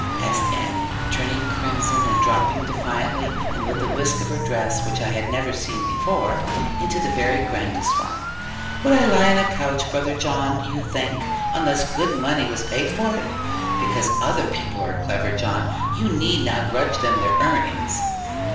asked Annie, turning crimson, and dropping defiantly, and with a whisk of her dress which I never had seen before, into the very grandest one: 'would I lie on a couch, brother John, do you think, unless good money was paid for it? Because other people are clever, John, you need not grudge them their earnings.'